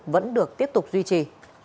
vẫn được tiếp tục duy trì